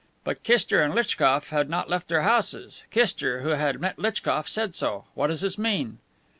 "But Kister and Litchkof had not left their houses. Kister, who had just met Litchkof, said so. What does this mean?"